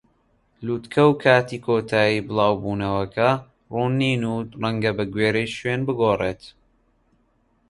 لووتکە و کاتی کۆتایی بڵاو بوونەوەکە ڕوون نین و ڕەنگە بەگوێرەی شوێن بگۆڕێت.